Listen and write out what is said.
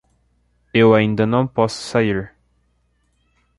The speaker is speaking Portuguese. Eu ainda não posso sair